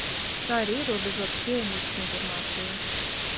Tā ir ierobežotas pieejamības informācija.